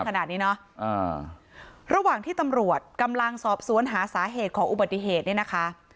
ขนาดนี้เนอะระหว่างที่ตำรวจกำลังสอบสวนหาสาเหตุของอุบัติเหตุเนี่ยนะคะ